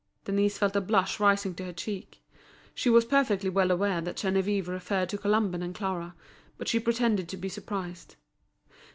Denise felt a blush rising to her cheek. She was perfectly well aware that Geneviève referred to Colomban and Clara; but she pretended to be surprised.